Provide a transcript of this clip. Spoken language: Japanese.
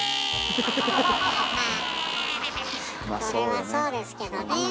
それはそうですけどね。